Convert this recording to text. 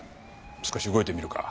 少し動いてみるか。